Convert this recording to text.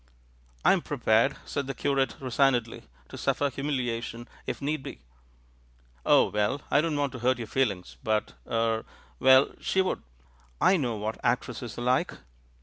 "I am prepared," said the curate resignedly, "to suffer humiliation if need be." "Oh, well, I don't want to hurt your feelings. But — er — well, she would! I know what act resses are like."